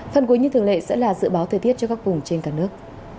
phần cuối như thường lệ sẽ là dự báo thời tiết cho các vùng trên cả nước